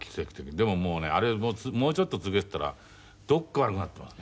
でももうねあれもうちょっと続けてたらどっか悪くなってますね。